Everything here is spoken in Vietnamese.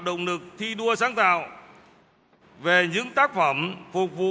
động lực thi đua sáng tạo về những tác phẩm phục vụ